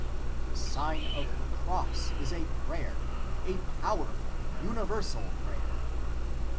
The Sign of the Cross is a prayer; a pow erful, universal prayer.